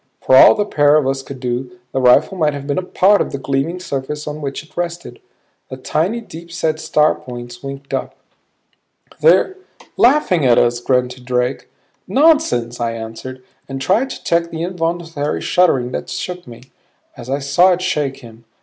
For all the pair of us could do, the rifle might have been a part of the gleaming surface on which it rested. The tiny, deepset star points winked up "They're laughing at us!" grunted Drake. "Nonsense," I answered, and tried to check the involuntary shuddering that shook me, as I saw it shake him.